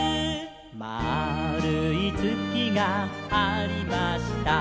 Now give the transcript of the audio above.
「まあるいつきがありました」